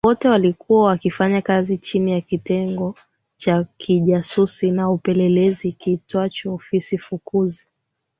Wote walikuwa wakifanya kazi chini ya kitengo cha kijasusi na upelelezi kiitwacho ofisi fukuzi